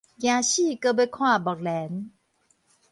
驚死閣欲看目連